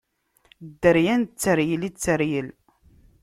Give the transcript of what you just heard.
Dderya n tteryel i tteryel!